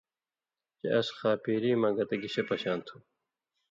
چےۡ اَس خاپیری مہ گتہ گِشے پشا تُھو۔